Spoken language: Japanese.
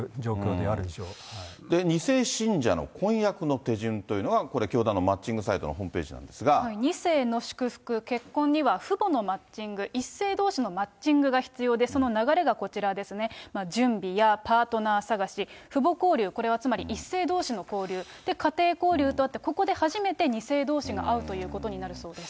で、２世信者の婚約の手順というのが、これ、教団のマッチングサイトの２世の祝福、結婚には父母のマッチング、１世どうしのマッチングが必要で、その流れがこちらですね、準備やパートナー探し、父母交流これはつまり１世どうしの交流、家庭交流とあって、ここで初めて２世どうしが会うということになるそうです。